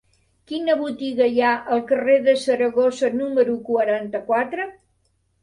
Quina botiga hi ha al carrer de Saragossa número quaranta-quatre?